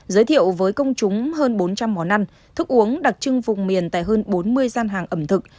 giới thiệu với công chúng hơn bốn trăm linh món ăn thức uống đặc trưng vùng miền tại hơn bốn mươi gian hàng ẩm thực